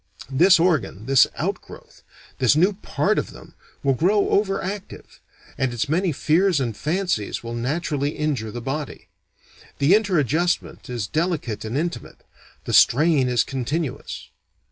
This organ, this outgrowth, this new part of them, will grow over active, and its many fears and fancies will naturally injure the body. The interadjustment is delicate and intimate, the strain is continuous.